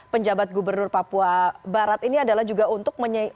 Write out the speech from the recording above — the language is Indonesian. penjabat gubernur papua barat ini adalah juga untuk